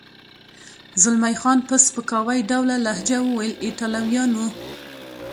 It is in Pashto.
زلمی خان په سپکاوي ډوله لهجه وویل: ایټالویان و.